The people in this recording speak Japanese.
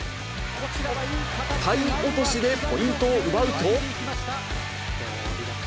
体落としでポイントを奪うと。